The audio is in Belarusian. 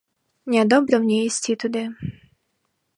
Нядобра мне ісці туды.